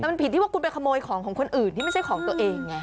แต่มันผิดที่ว่าคุณไปขโมยของของคนอื่นที่ไม่ใช่ของตัวเองไง